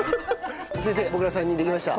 先生僕ら３人できました。